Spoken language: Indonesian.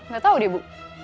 gak tau deh ibu